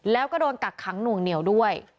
แล้วก็โดนกักขังหน่วงเหนียวด้วย